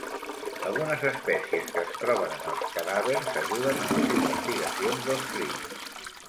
Algunes espècies que es troben en els cadàvers ajuden en les investigacions dels crims.